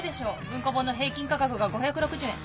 文庫本の平均価格が５６０円。